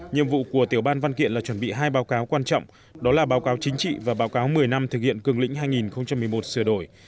nhiệm vụ của tiểu ban văn kiện là chuẩn bị hai báo cáo quan trọng đó là báo cáo chính trị và báo cáo một mươi năm thực hiện cường lĩnh hai nghìn một mươi một sửa đổi